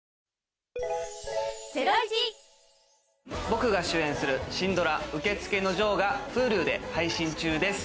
僕が主演するシンドラ『受付のジョー』がＨｕｌｕで配信中です。